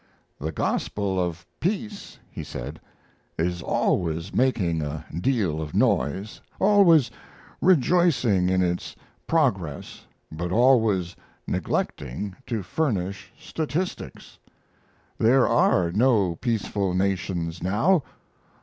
"The gospel of peace," he said, "is always making a deal of noise, always rejoicing in its progress but always neglecting to furnish statistics. There are no peaceful nations now.